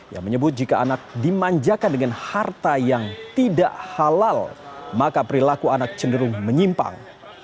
yang menyebut jika anak dimanjakan dengan harta yang tidak halal maka perilaku anak cenderung menyimpang